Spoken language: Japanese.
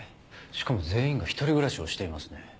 しかも全員が１人暮らしをしていますね。